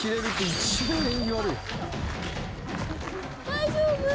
大丈夫？